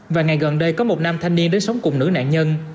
vài ngày gần đây có một nam thanh niên đến sống cùng nữ nạn nhân